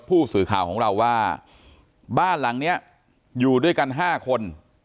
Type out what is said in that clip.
ผู้สื่อข่าวของเราว่าบ้านหลังนี้อยู่ด้วยกัน๕คน